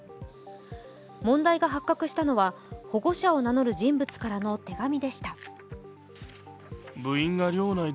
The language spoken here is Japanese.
問題が発覚したのは、保護者を名乗る人物からの手紙でした。